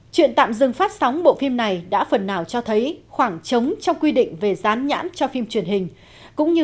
chuyện tạm dừng phát sóng bộ phim này đã phần nào cho thấy khoảng trống trong quy định về dán nhãn cho phim truyền hình